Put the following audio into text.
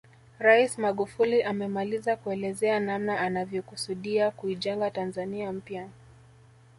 Rais Magufuli amemaliza kuelezea namna anavyokusudia kuijenga Tanzania mpya